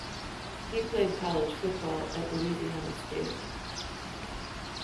He played college football at Louisiana State.